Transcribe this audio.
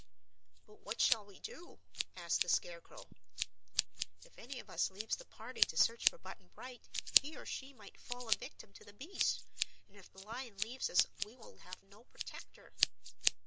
"But what shall we do?" asked the Scarecrow. "If any of us leaves the party to search for Button Bright he or she might fall a victim to the beasts, and if the Lion leaves us we will have no protector.